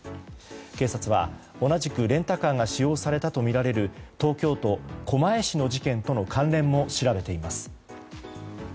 警察は、同じくレンタカーが使用されたとみられる東京都狛江市の事件との関連も調べています。